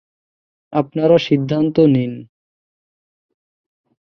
আপনারা সিদ্ধান্ত নিন।